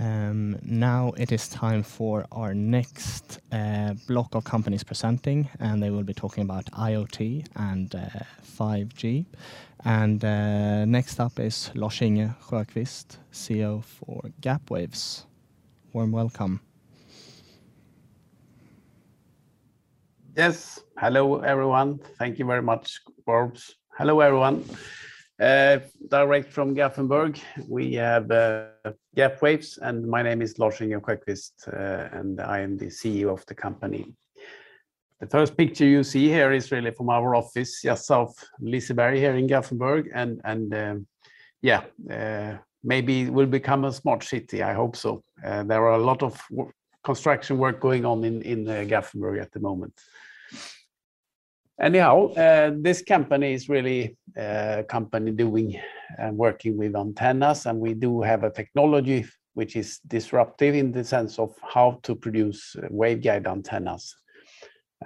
Now it is time for our next block of companies presenting, and they will be talking about IoT and 5G. Next up is Lars-Inge Sjöqvist, CEO for Gapwaves. Warm welcome. Yes. Hello, everyone. Thank you very much, Bob. Hello, everyone. Direct from Gothenburg, we have Gapwaves, and my name is Lars-Inge Sjöqvist, and I am the CEO of the company. The first picture you see here is really from our office just south Liseberg here in Gothenburg and yeah. Maybe it will become a smart city, I hope so. There are a lot of construction work going on in Gothenburg at the moment. Anyhow, this company is really working with antennas, and we do have a technology which is disruptive in the sense of how to produce waveguide antennas.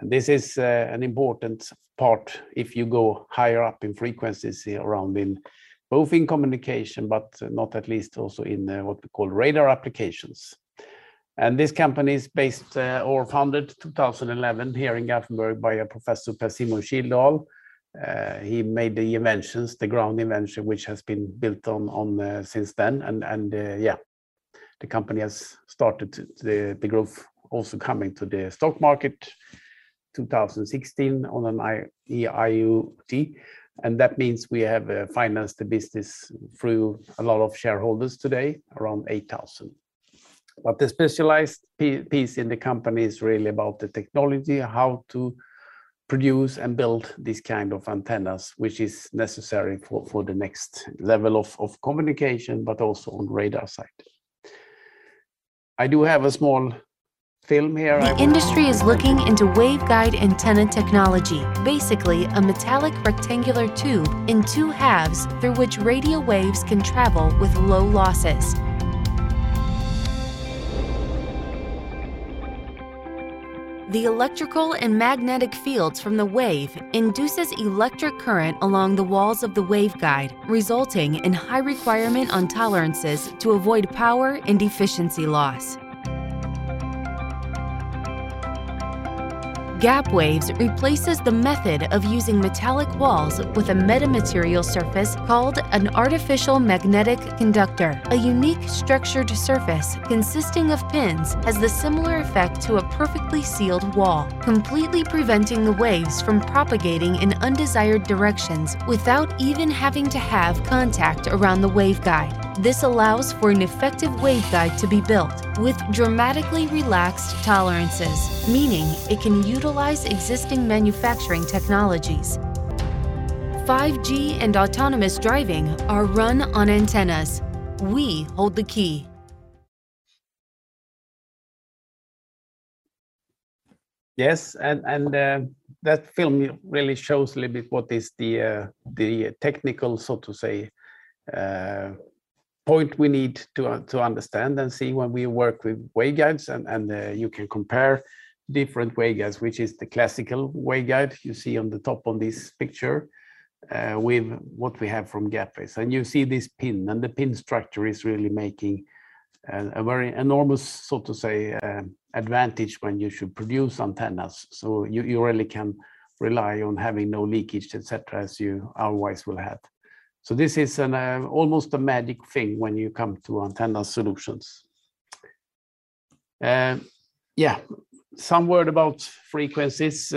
This is an important part if you go higher up in frequencies around in both in communication, but not least also in what we call radar applications. This company is based, or founded 2011 here in Gothenburg by a Professor Per-Simon Kildal. He made the inventions, the ground invention, which has been built on since then. The company has started the growth also coming to the stock market 2016 on First North. That means we have financed the business through a lot of shareholders today, around 8,000. But the specialized piece in the company is really about the technology, how to produce and build these kind of antennas, which is necessary for the next level of communication, but also on radar side. I do have a small film here. I will- The industry is looking into waveguide antenna technology. Basically, a metallic rectangular tube in two halves through which radio waves can travel with low losses. The electrical and magnetic fields from the wave induces electric current along the walls of the waveguide, resulting in high requirement on tolerances to avoid power and efficiency loss. Gapwaves replaces the method of using metallic walls with a metamaterial surface called an artificial magnetic conductor. A unique structured surface consisting of pins has the similar effect to a perfectly sealed wall, completely preventing the waves from propagating in undesired directions without even having to have contact around the waveguide. This allows for an effective waveguide to be built with dramatically relaxed tolerances, meaning it can utilize existing manufacturing technologies. 5G and autonomous driving are run on antennas. We hold the key. That film really shows a little bit what is the technical, so to say, point we need to understand and see when we work with waveguides. You can compare different waveguides, which is the classical waveguide you see on the top of this picture, with what we have from Gapwaves. You see this pin, and the pin structure is really making a very enormous, so to say, advantage when you should produce antennas. You really can rely on having no leakage, et cetera, as you otherwise will have. This is an almost a magic thing when you come to antenna solutions. Some words about frequencies.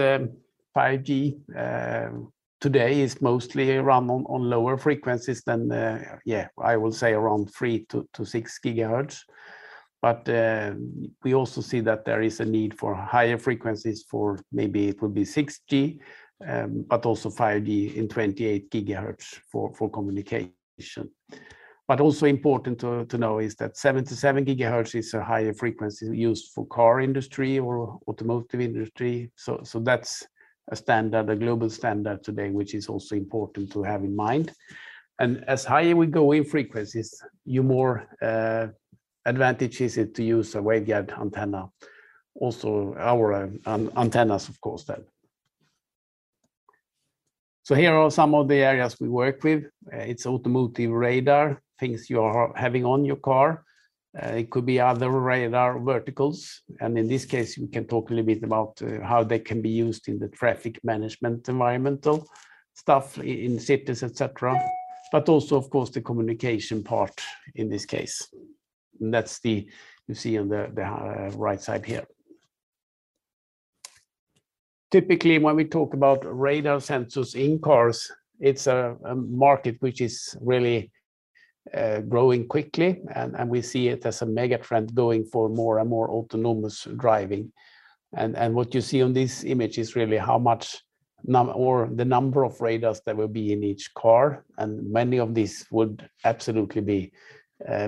5G today is mostly run on lower frequencies than I will say around 3 GHz-6 GHz. We also see that there is a need for higher frequencies for maybe it will be 6G, but also 5G in 28 GHz for communication. Also important to know is that 77 GHz is a higher frequency used for car industry or automotive industry. So that's a standard, a global standard today, which is also important to have in mind. As higher we go in frequencies, the more advantage is it to use a waveguide antenna. Also, our antennas, of course, then. So here are some of the areas we work with. It's automotive radar, things you are having on your car. It could be other radar verticals, and in this case, we can talk a little bit about how they can be used in the traffic management environmental stuff in cities, et cetera. Also, of course, the communication part in this case. That's what you see on the right side here. Typically, when we talk about radar sensors in cars, it's a market which is really growing quickly, and we see it as a mega trend going for more and more autonomous driving. What you see on this image is really the number of radars that will be in each car, and many of these would absolutely be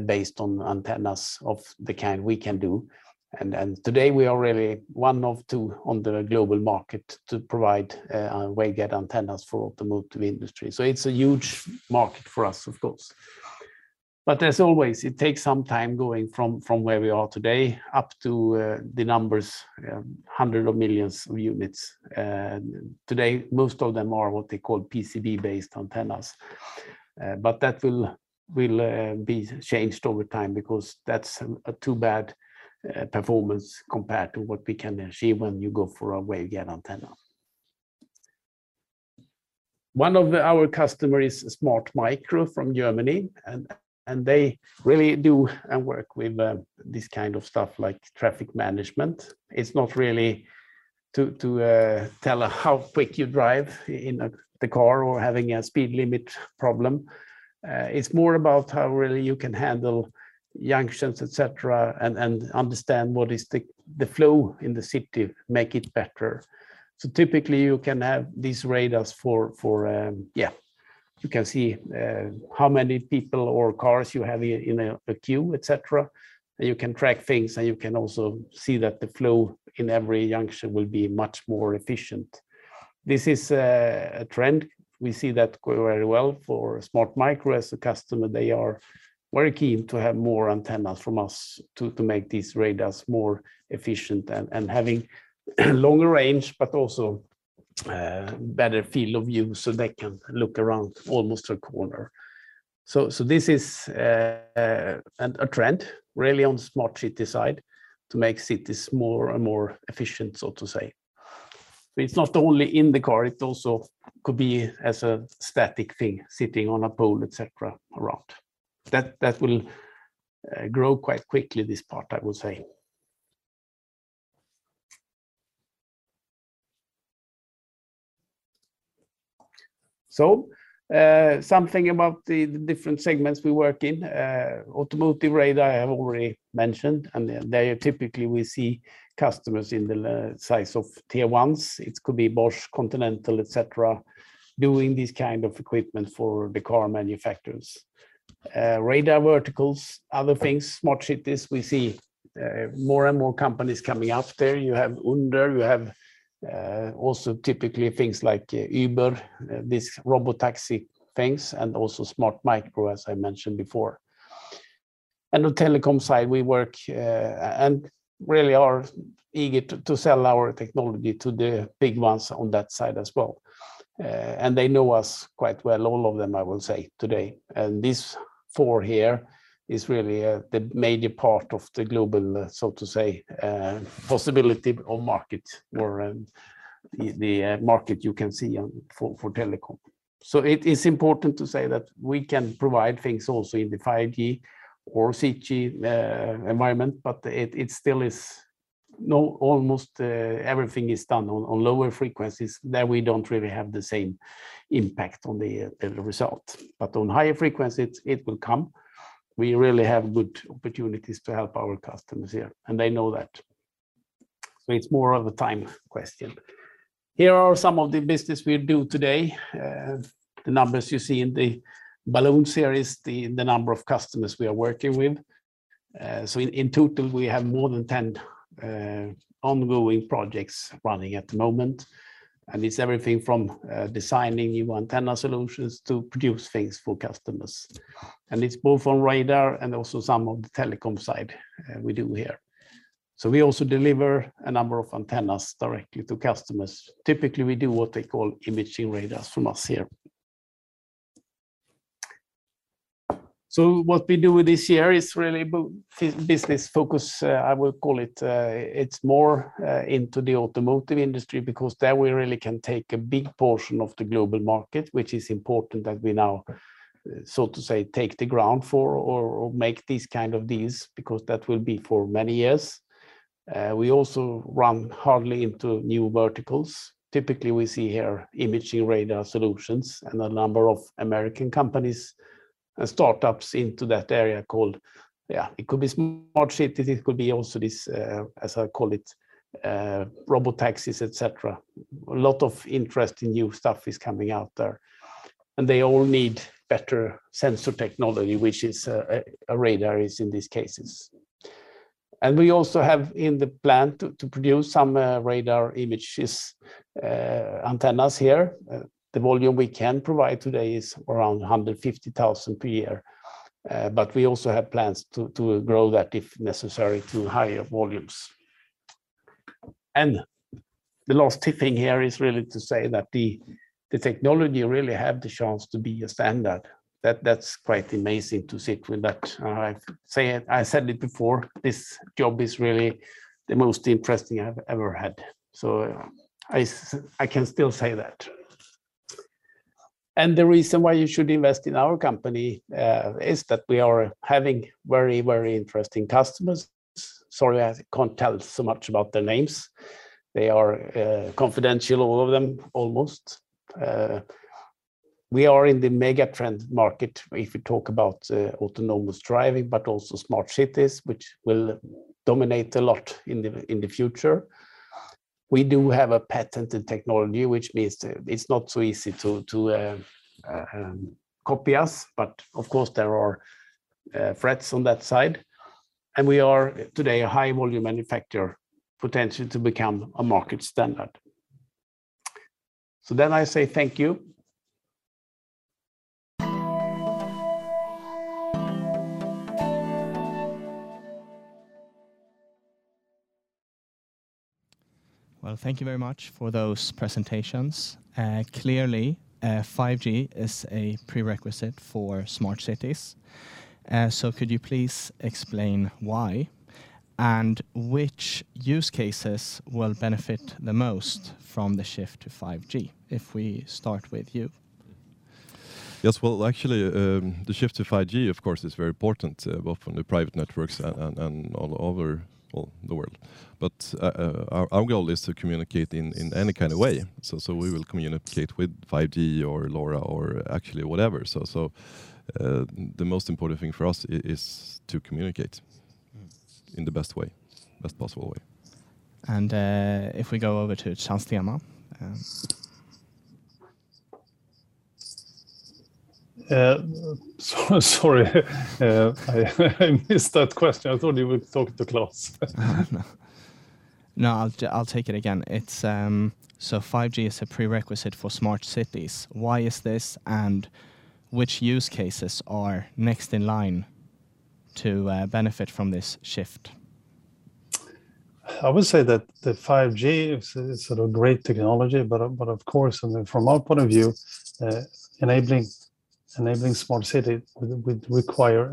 based on antennas of the kind we can do. Today we are really one of two on the global market to provide waveguide antennas for automotive industry. It’s a huge market for us, of course. As always, it takes some time going from where we are today up to the numbers, hundreds of millions of units. Today, most of them are what they call PCB-based antennas. That will be changed over time because that’s too bad performance compared to what we can achieve when you go for a waveguide antenna. One of our customers is Smartmicro from Germany and they really do work with this kind of stuff like traffic management. It’s not really to tell how quick you drive in the car or having a speed limit problem. It’s more about how really you can handle junctions, et cetera, and understand what the flow in the city, make it better. Typically, you can have these radars. You can see how many people or cars you have in a queue, et cetera. You can track things, and you can also see that the flow in every junction will be much more efficient. This is a trend. We see that go very well for Smartmicro as a customer. They are very keen to have more antennas from us to make these radars more efficient and having longer range, but also better field of view so they can look around almost a corner. This is a trend really on smart city side to make cities more and more efficient, so to say. It's not only in the car, it also could be as a static thing sitting on a pole, et cetera, around. That will grow quite quickly, this part, I would say. Something about the different segments we work in. Automotive radar, I have already mentioned, and they are typically we see customers in the size of Tier 1s. It could be Bosch, Continental, et cetera, doing this kind of equipment for the car manufacturers. Radar verticals, other things, smart cities, we see more and more companies coming out there. You have Ouster. You have also typically things like Uber, these robotaxi things, and also Smartmicro, as I mentioned before. The telecom side, we work and really are eager to sell our technology to the big ones on that side as well. They know us quite well, all of them, I will say today. These four here is really the major part of the global, so to say, possibility or market or the market you can see for telecom. It is important to say that we can provide things also in the 5G or 6G environment, but it still is almost everything is done on lower frequencies that we don't really have the same impact on the result. On higher frequencies, it will come. We really have good opportunities to help our customers here, and they know that. It's more of a time question. Here are some of the business we do today. The numbers you see in the balloon series, the number of customers we are working with. In total, we have more than 10 ongoing projects running at the moment, and it's everything from designing new antenna solutions to produce things for customers. It's both on radar and also some of the telecom side we do here. We also deliver a number of antennas directly to customers. Typically, we do what they call imaging radars from us here. What we do this year is really business focus I will call it. It's more into the automotive industry because there we really can take a big portion of the global market, which is important that we now, so to say, take the ground for or make this kind of these, because that will be for many years. We also run hard into new verticals. Typically, we see here imaging radar solutions and a number of American companies and startups into that area. It could be smart cities, it could be also this, as I call it, robotaxis, et cetera. A lot of interesting new stuff is coming out there, and they all need better sensor technology, which is a radar in these cases. We also have in the plan to produce some radar imaging antennas here. The volume we can provide today is around 150,000 per year. We also have plans to grow that if necessary to higher volumes. The last thing here is really to say that the technology really have the chance to be a standard. That's quite amazing to sit with that. I said it before, this job is really the most interesting I've ever had. I can still say that. The reason why you should invest in our company is that we are having very, very interesting customers. Sorry, I can't tell so much about their names. They are confidential, all of them, almost. We are in the mega-trend market if you talk about autonomous driving, but also smart cities, which will dominate a lot in the future. We do have a patented technology, which means it's not so easy to copy us, but of course, there are threats on that side. We are today a high volume manufacturer, potential to become a market standard. I say thank you. Well, thank you very much for those presentations. Clearly, 5G is a prerequisite for smart cities. Could you please explain why, and which use cases will benefit the most from the shift to 5G? If we start with you. Yes. Well, actually, the shift to 5G, of course, is very important, both on the private networks and all over, well, the world. Our goal is to communicate in any kind of way. Yes. We will communicate with 5G or LoRa or actually whatever. The most important thing for us is to communicate. Mm In the best way, best possible way. If we go over to Transtema. Sorry. I missed that question. I thought you would talk to Claes. No, I'll take it again. 5G is a prerequisite for smart cities. Why is this, and which use cases are next in line to benefit from this shift? I would say that 5G is sort of great technology, but of course, I mean, from our point of view, enabling smart city would require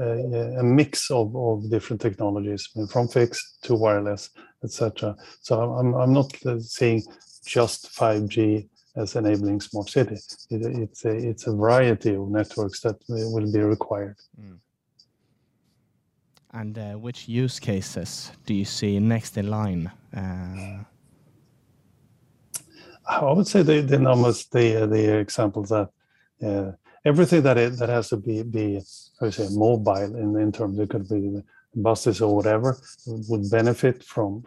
a mix of different technologies from fixed to wireless, et cetera. I'm not saying just 5G as enabling smart cities. It's a variety of networks that will be required. Which use cases do you see next in line? I would say the numbers, the examples that everything that has to be mobile in terms it could be buses or whatever would benefit from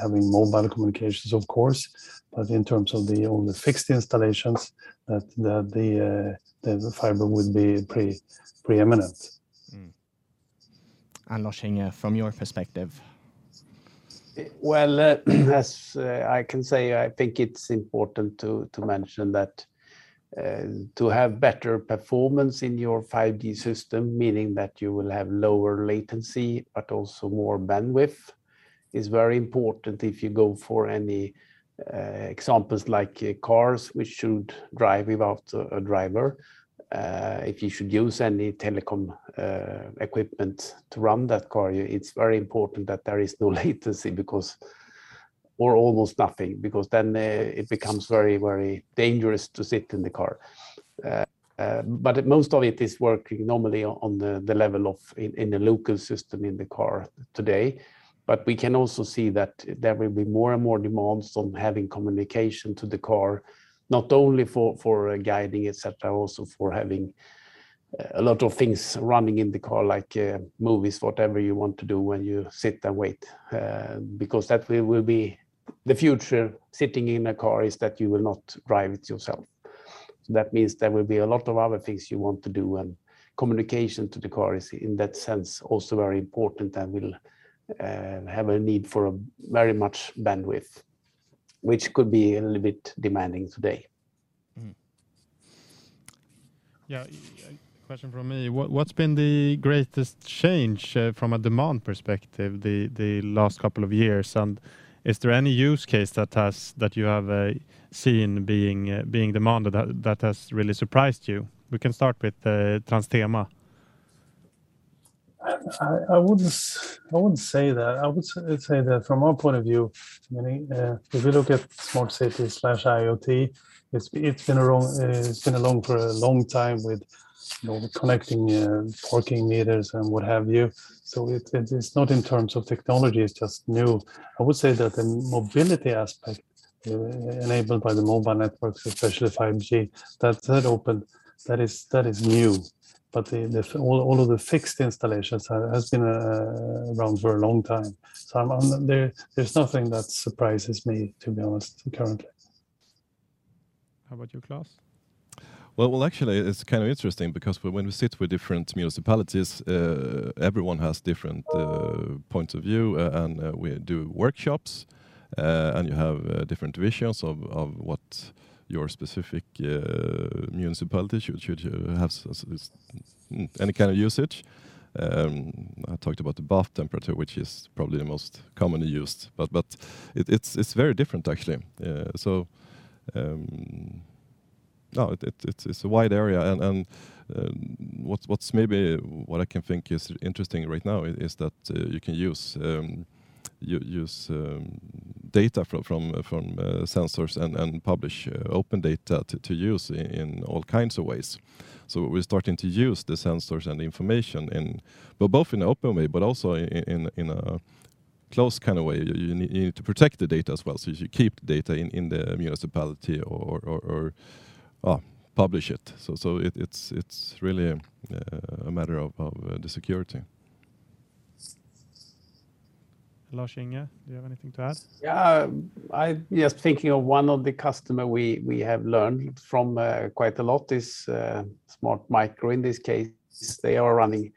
having mobile communications of course. But in terms of the fixed installations, that the fiber would be preeminent. Lars-Inge, from your perspective. Well, as I can say, I think it's important to mention that to have better performance in your 5G system, meaning that you will have lower latency but also more bandwidth, is very important if you go for any examples like cars which should drive without a driver. If you should use any telecom equipment to run that car, it's very important that there is no latency or almost nothing, because then it becomes very dangerous to sit in the car. Most of it is working normally on the level of in the local system in the car today. We can also see that there will be more and more demands on having communication to the car, not only for guiding, et cetera, also for having a lot of things running in the car, like, movies, whatever you want to do when you sit and wait. Because that will be the future sitting in a car is that you will not drive it yourself. That means there will be a lot of other things you want to do, and communication to the car is, in that sense, also very important and will have a need for a very much bandwidth, which could be a little bit demanding today. Mm-hmm. Yeah. Question from me. What's been the greatest change from a demand perspective the last couple of years? Is there any use case that you have seen being demanded that has really surprised you? We can start with Transtema. I wouldn't say that. I would say that from our point of view, meaning, if we look at smart cities/IoT, it's been a long time with, you know, connecting parking meters and what have you. So it's not in terms of technology, it's just new. I would say that the mobility aspect enabled by the mobile networks, especially 5G, that opened, that is new. But all of the fixed installations has been around for a long time. So there's nothing that surprises me, to be honest, currently. How about you, Claes? Well, actually, it's kind of interesting because when we sit with different municipalities, everyone has different points of view. We do workshops, and you have different visions of what your specific municipality should have any kind of usage. I talked about the bath temperature, which is probably the most commonly used. But it's very different actually. It's a wide area and what's maybe what I can think is interesting right now is that you can use data from sensors and publish open data to use in all kinds of ways. We're starting to use the sensors and the information in... Both in an open way, but also in a closed kind of way. You need to protect the data as well. If you keep data in the municipality or publish it's really a matter of the security. Lars-Inge, do you have anything to add? Yeah. I'm just thinking of one of the customer we have learned from quite a lot is Smartmicro in this case. They are running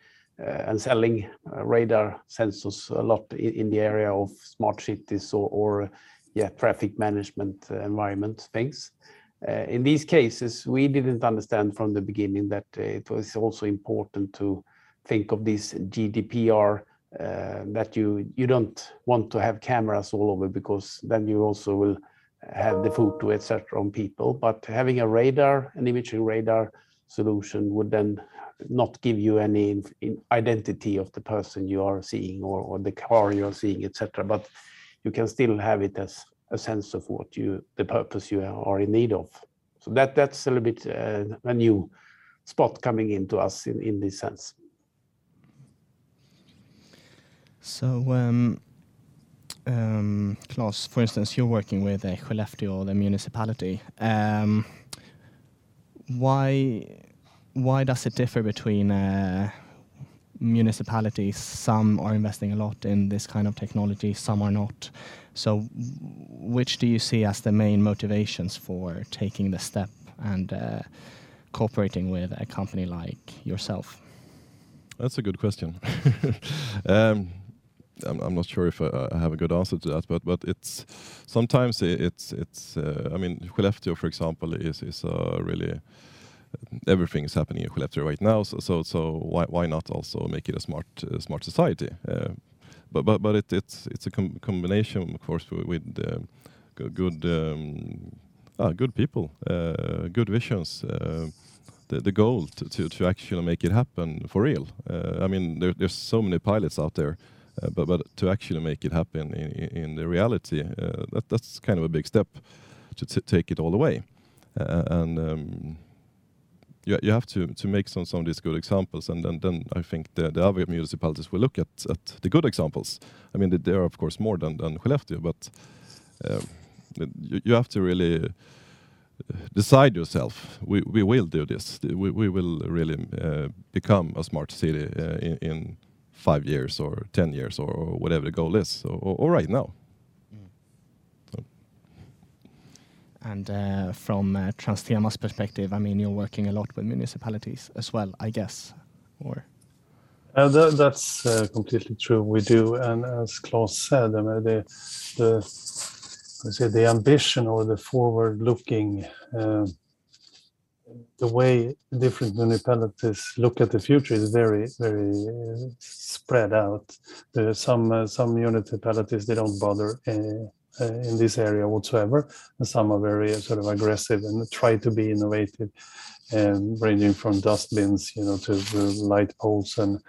and selling radar sensors a lot in the area of smart cities or yeah, traffic management environment things. In these cases, we didn't understand from the beginning that it was also important to think of this GDPR that you don't want to have cameras all over because then you also will have the footage, et cetera, on people. Having a radar, an imaging radar solution would then not give you any identity of the person you are seeing or the car you're seeing, et cetera. You can still have it as a sense of the purpose you are in need of. That's a little bit, a new spot coming into us in this sense. Claes, for instance, you're working with Skellefteå, the municipality. Why does it differ between municipalities? Some are investing a lot in this kind of technology, some are not. Which do you see as the main motivations for taking the step and cooperating with a company like yourself? That's a good question. I'm not sure if I have a good answer to that, but sometimes it's. I mean, Skellefteå, for example, is really everything is happening in Skellefteå right now, so why not also make it a smart society? But it's a combination, of course, with good people, good visions, the goal to actually make it happen for real. I mean, there's so many pilots out there. But to actually make it happen in the reality, that's kind of a big step to take it all the way. You have to make some of these good examples. I think the other municipalities will look at the good examples. I mean, there are of course more than Skellefteå, but you have to really decide yourself, "We will do this. We will really become a smart city in five years or 10 years," or whatever the goal is, or right now. Mm-hmm. So. From Transtema's perspective, I mean, you're working a lot with municipalities as well, I guess, or- That's completely true. We do. As Claes said, I mean, let's say, the ambition or the forward-looking, the way different municipalities look at the future is very, very spread out. There are some municipalities, they don't bother in this area whatsoever, and some are very sort of aggressive and try to be innovative, ranging from dustbins, you know, to light poles and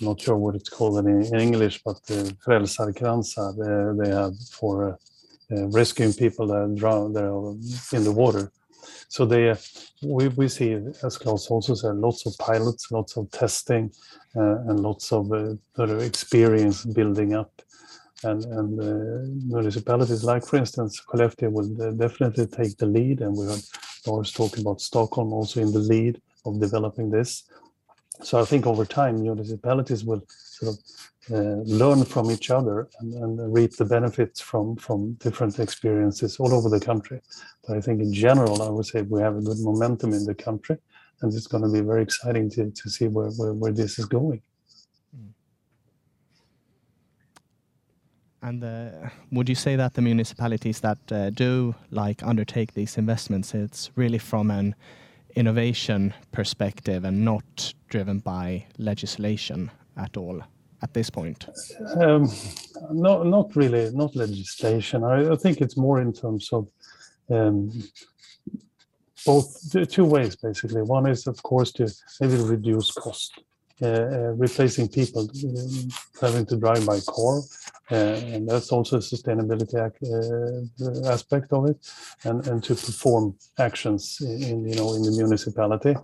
not sure what it's called in English, but the räddningskransar they're there for rescuing people that drown there in the water. We see, as Claes also said, lots of pilots, lots of testing, and lots of sort of experience building up. Municipalities, like for instance, Skellefteå will definitely take the lead, and we have Lars talking about Stockholm also in the lead of developing this. I think over time, municipalities will sort of learn from each other and reap the benefits from different experiences all over the country. I think in general, I would say we have a good momentum in the country, and it's gonna be very exciting to see where this is going. Would you say that the municipalities that do, like, undertake these investments, it's really from an innovation perspective and not driven by legislation at all at this point? Not really. Not legislation. I think it's more in terms of two ways, basically. One is, of course, to maybe reduce cost, replacing people having to drive by car, and that's also a sustainability aspect of it, and to perform actions in, you know, in the municipality.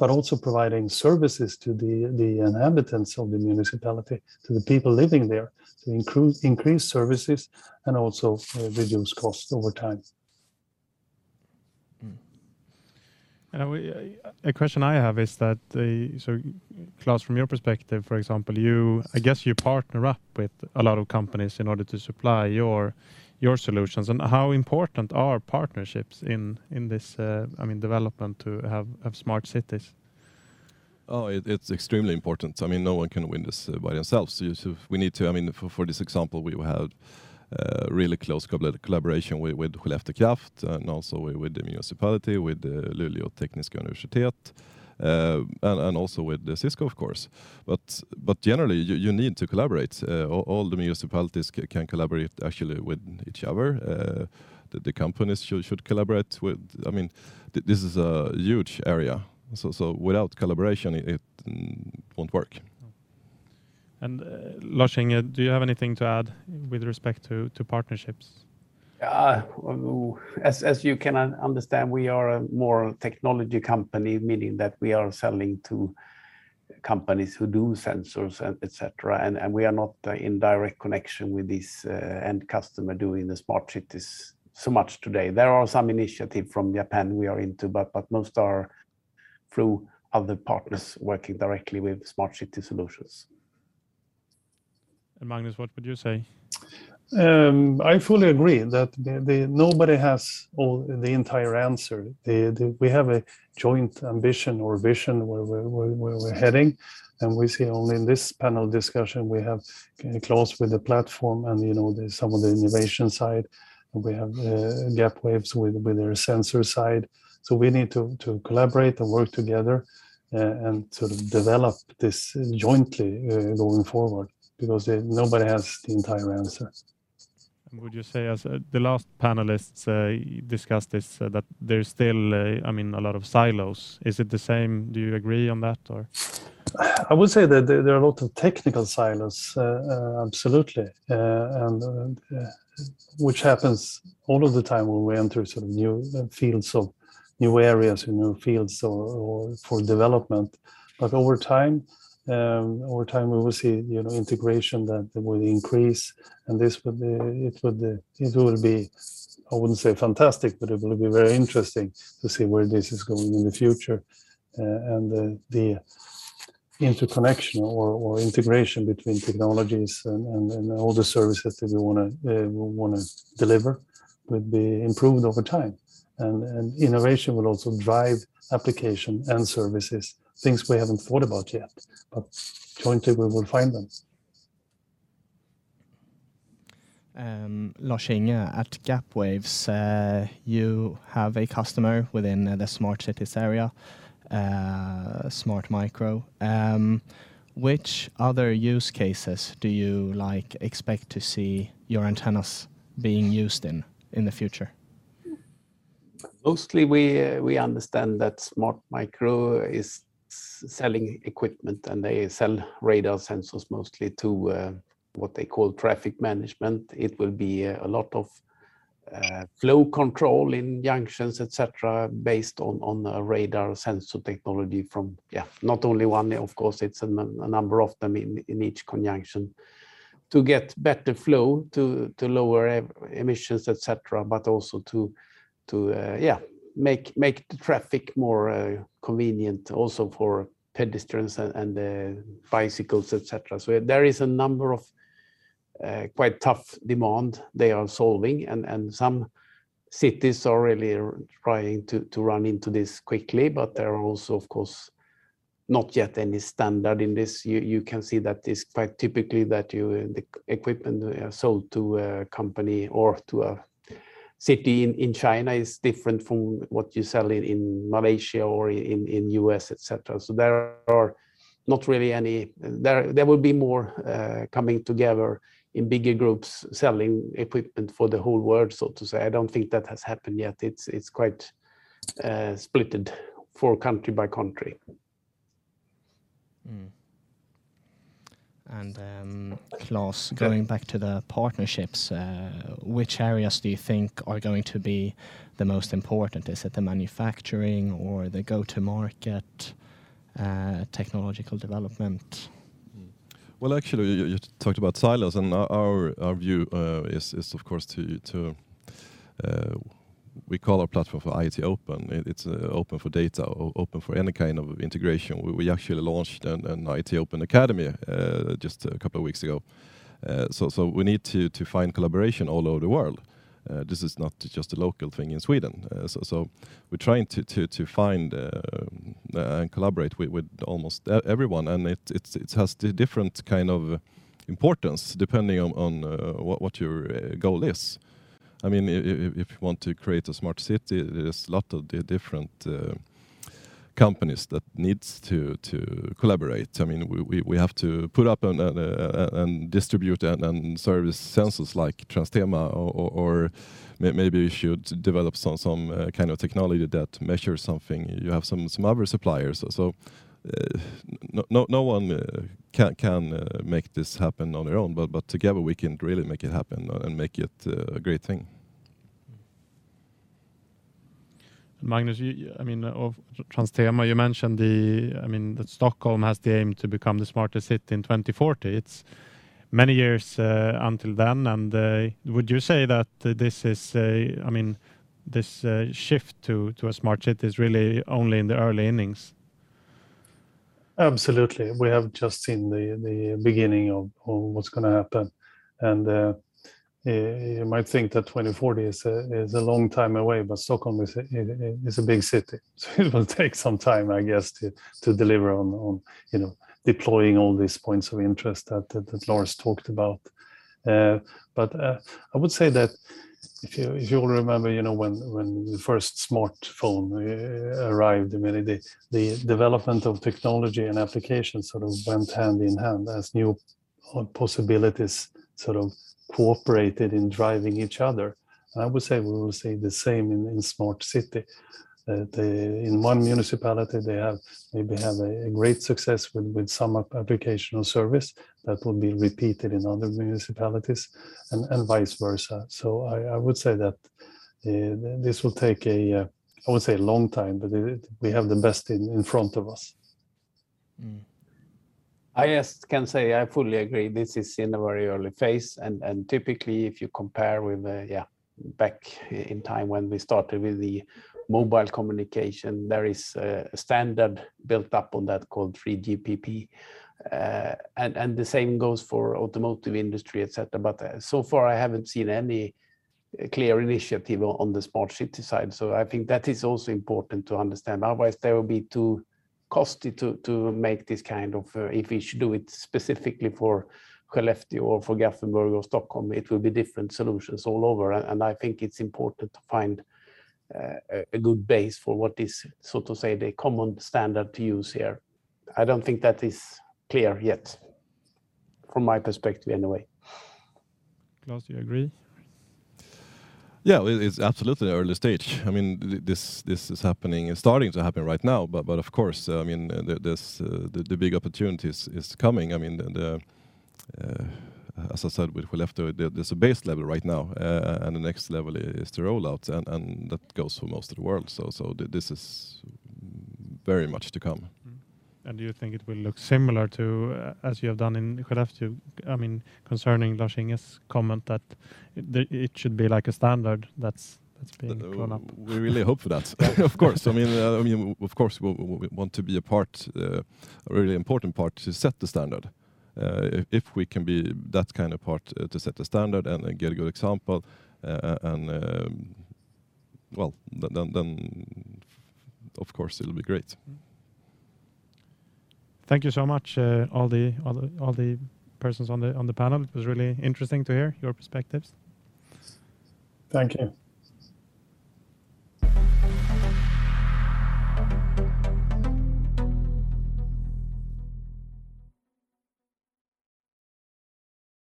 Also providing services to the inhabitants of the municipality, to the people living there to include increased services and also reduce costs over time. Mm-hmm. A question I have is that, so Claes, from your perspective, for example, you I guess partner up with a lot of companies in order to supply your solutions. How important are partnerships in this, I mean, development to have smart cities? Oh, it's extremely important. I mean, no one can win this by themselves. I mean, for this example, we have really close collaboration with Skellefteå Kraft and also with the municipality, with Luleå tekniska universitet, and also with Cisco, of course. Generally, you need to collaborate. All the municipalities can collaborate actually with each other. The companies should collaborate. I mean, this is a huge area, so without collaboration, it won't work. Lars-Inge, do you have anything to add with respect to partnerships? As you can understand, we are a more technology company, meaning that we are selling to companies who do sensors and et cetera, and we are not in direct connection with this end customer doing the smart cities so much today. There are some initiative from Japan we are into, but most are through other partners working directly with smart city solutions. Magnus, what would you say? I fully agree that nobody has the entire answer. We have a joint ambition or vision where we're heading, and we see only in this panel discussion we have Claes with the platform and, you know, some of the innovation side. We have Gapwaves with their sensor side. We need to collaborate and work together and sort of develop this jointly going forward because nobody has the entire answer. Would you say, as the last panelists discussed this, that there's still, I mean, a lot of silos? Is it the same? Do you agree on that or? I would say that there are a lot of technical silos, absolutely. Which happens all of the time when we enter sort of new areas or new fields for development. Over time we will see, you know, integration that will increase, and it will be. I wouldn't say fantastic, but it will be very interesting to see where this is going in the future. The interconnection or integration between technologies and all the services that we wanna deliver will be improved over time. Innovation will also drive application and services, things we haven't thought about yet. Jointly we will find them. Lars-Inge, at Gapwaves, you have a customer within the smart cities area, Smartmicro. Which other use cases do you, like, expect to see your antennas being used in the future? Mostly we understand that Smartmicro is selling equipment, and they sell radar sensors mostly to what they call traffic management. It will be a lot of flow control in junctions, et cetera, based on the radar sensor technology from yeah not only one of course. It's a number of them in each junction. To get better flow to lower emissions, et cetera, but also to make the traffic more convenient also for pedestrians and bicycles, et cetera. There is a number of quite tough demand they are solving. Some cities are really trying to rushing into this quickly, but there are also, of course, not yet any standard in this. You can see that it's quite typical that the equipment sold to a company or to a city in China is different from what you sell in Malaysia or in U.S., et cetera. There will be more coming together in bigger groups selling equipment for the whole world, so to say. I don't think that has happened yet. It's quite split for country by country. Claes Yeah... going back to the partnerships, which areas do you think are going to be the most important? Is it the manufacturing or the go-to-market, technological development? Well, actually you talked about silos, and our view is of course we call our platform IoT Open. It's open for data, open for any kind of integration. We actually launched an IoT Open Academy just a couple of weeks ago. We need to find collaboration all over the world. This is not just a local thing in Sweden. We're trying to find and collaborate with almost everyone. It has different kind of importance depending on what your goal is. I mean, if you want to create a smart city, there's a lot of the different companies that needs to collaborate. I mean, we have to put up and distribute and service sensors like Transtema or maybe we should develop some kind of technology that measures something. You have some other suppliers. No one can make this happen on their own, but together we can really make it happen and make it a great thing. Magnus of Transtema, you mentioned that Stockholm has the aim to become the smartest city in 2040. It's many years until then, and would you say that this, I mean, shift to a smart city is really only in the early innings? Absolutely. We have just seen the beginning of what's gonna happen. You might think that 2040 is a long time away, but Stockholm is a big city, so it will take some time, I guess, to deliver on, you know, deploying all these points of interest that Lars talked about. I would say that if you remember when the first smartphone arrived, the development of technology and applications sort of went hand in hand as new possibilities sort of cooperated in driving each other. I would say we will see the same in smart city. In one municipality they maybe have a great success with some application service that will be repeated in other municipalities and vice versa. I would say that this will take, I won't say, a long time, but we have the best in front of us. Mm. I just can say I fully agree. This is in a very early phase and typically if you compare with back in time when we started with the mobile communication, there is a standard built up on that called 3GPP. And the same goes for automotive industry, et cetera. So far I haven't seen any clear initiative on the smart city side. So I think that is also important to understand. Otherwise, there will be too costly to make this kind of if we should do it specifically for Skellefteå or for Gothenburg or Stockholm, it will be different solutions all over. I think it's important to find a good base for what is, so to say, the common standard to use here. I don't think that is clear yet from my perspective anyway. Claes, do you agree? Yeah. It's absolutely early stage. I mean, this is happening, it's starting to happen right now, but of course, I mean, this, the big opportunities is coming. I mean, the, as I said, with Skellefteå, there's a base level right now, and the next level is to roll out, and that goes for most of the world. So this is very much to come. Mm-hmm. Do you think it will look similar to, as you have done in Skellefteå? I mean, concerning Lars-Inge's comment that it should be like a standard that's being rolled out. We really hope for that of course. I mean, of course we want to be a part, a really important part to set the standard. If we can be that kind of part to set the standard and then get a good example, and well, then of course it'll be great. Thank you so much, all the persons on the panel. It was really interesting to hear your perspectives. Thank you.